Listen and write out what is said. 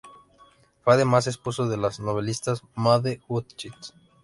Fue además esposo de la novelista Maude Hutchins.